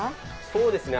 そうですね。